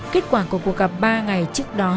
kết quả của cuộc gặp ba ngày trước đó